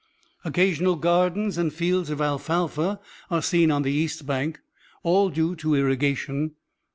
Occasional gardens and fields of alfalfa are seen on the east bank, all due to irrigation.